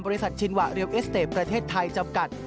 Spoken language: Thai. ชินวะเรียวเอสเตจประเทศไทยจำกัด